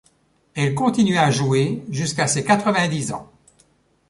Elle continua à jouer jusqu'à ses quatre-vingt-dix ans.